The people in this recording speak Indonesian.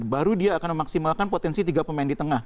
baru dia akan memaksimalkan potensi tiga pemain di tengah